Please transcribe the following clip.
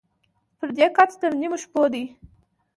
پردى کټ تر نيمو شپو دى.